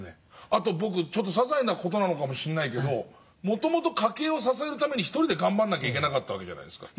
あとささいな事かもしれないけどもともと家計を支えるために一人で頑張らなきゃいけなかったじゃないですか。